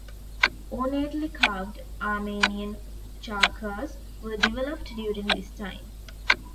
Ornately carved Armenian Khachkars were developed during this time.